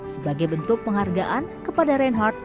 sebagai bentuk penghargaan kepada reinhardt